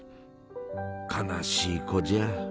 悲しい子じゃ。